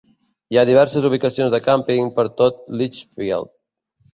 Hi ha diverses ubicacions de càmping per tot Litchfield.